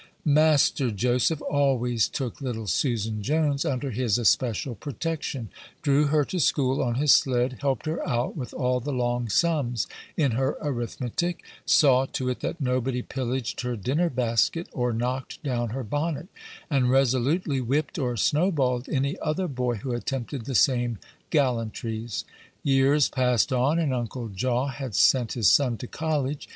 Master Joseph always took little Susan Jones under his especial protection, drew her to school on his sled, helped her out with all the long sums in her arithmetic, saw to it that nobody pillaged her dinner basket, or knocked down her bonnet, and resolutely whipped or snowballed any other boy who attempted the same gallantries. Years passed on, and Uncle Jaw had sent his son to college.